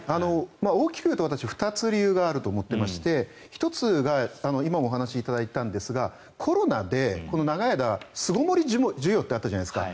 大きく言うと、私２つ理由があると思ってまして１つが今もお話しいただいたんですがコロナで長い間、巣ごもり需要ってあったじゃないですか